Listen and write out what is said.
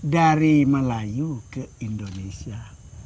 dari melayu ke indonesia